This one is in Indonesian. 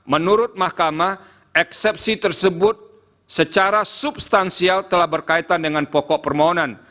menurut mahkamah eksepsi tersebut secara substansial telah berkaitan dengan pokok permohonan